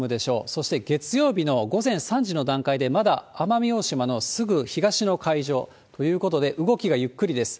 そして、月曜日の午前３時の段階で、まだ奄美大島のすぐ東の海上ということで、動きがゆっくりです。